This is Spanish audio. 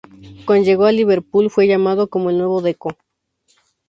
Cuando llegó a Liverpool, fue llamado como el nuevo Deco.